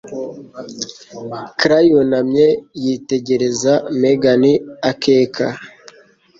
Clara yunamye, yitegereza Megan akeka.